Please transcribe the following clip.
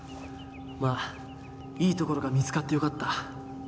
まあいい所が見つかってよかった。